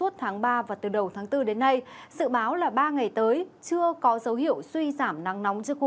tháng ba và từ đầu tháng bốn đến nay dự báo là ba ngày tới chưa có dấu hiệu suy giảm nắng nóng trước khu